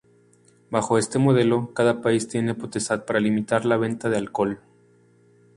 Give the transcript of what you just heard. Bajo este modelo, cada país tiene potestad para limitar la venta de alcohol.